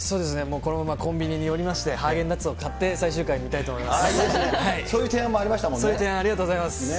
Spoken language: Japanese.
このままコンビニに寄りまして、ハーゲンダッツを買って、最終回みたいと思います。